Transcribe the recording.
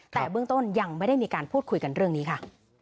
แต่เบื้องต้นยังไม่ได้มีการพูดคุยกันเรื่องนี้ค่ะ